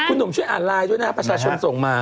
คุณหนุ่มช่วยอ่านไลน์ด้วยนะประชาชนส่งมา